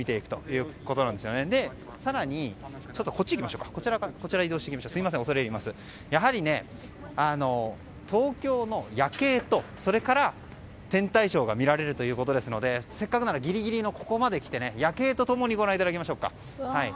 更に、こちらですがやはり東京の夜景と天体ショーが見られるということですのでせっかくならギリギリのここまで来て夜景と共にご覧いただきます。